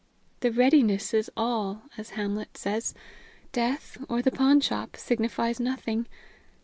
'The readiness is all,' as Hamlet says. Death, or the pawnshop, signifies nothing.